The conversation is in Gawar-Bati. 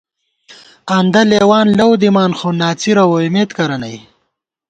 آندہ لېوان لَؤ دِمان، خو ناڅِر ووئیمېت کرہ نئ